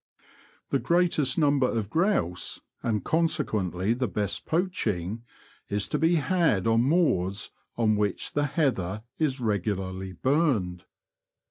The greatest number of grouse, and con sequently the best poaching, is to be had on moors on which the heather is regularly burned.